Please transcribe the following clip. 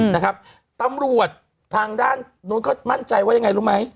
นะครับตำรวจทางด้านนู้นเขามั่นใจว่ายังไงรู้ไหม